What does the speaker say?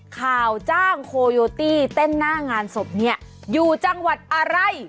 ข่าวจ้างโคโยตี้เต้นหน้างานศพเนี่ยอยู่จังหวัดอะไร